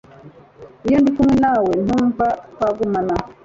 iyo ndi kumwe nawe ntumva twagumana